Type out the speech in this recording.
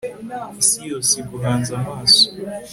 isi yose iguhanze amaso